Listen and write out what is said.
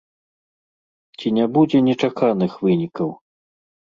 Ці не будзе нечаканых вынікаў?